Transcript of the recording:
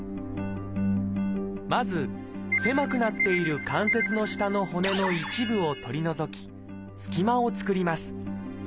まず狭くなっている関節の下の骨の一部を取り除き隙間を作ります。